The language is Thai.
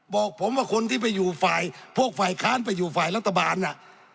บอกผมว่าคนที่ไปอยู่ฝ่ายพวกฝ่ายค้านไปอยู่ฝ่ายรัฐบาลน่ะ